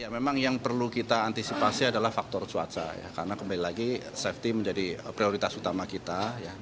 memang yang perlu kita antisipasi adalah faktor cuaca ya karena kembali lagi safety menjadi prioritas utama kita